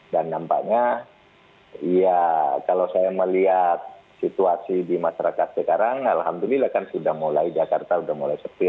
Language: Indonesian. dan nampaknya ya kalau saya melihat situasi di masyarakat sekarang alhamdulillah kan sudah mulai jakarta sudah mulai sepi